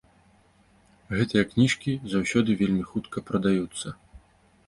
Гэтыя кніжкі заўсёды вельмі хутка прадаюцца.